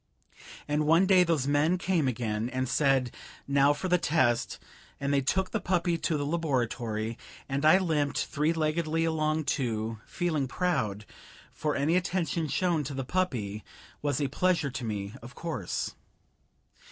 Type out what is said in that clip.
And one day those men came again, and said, now for the test, and they took the puppy to the laboratory, and I limped three leggedly along, too, feeling proud, for any attention shown to the puppy was a pleasure to me, of course.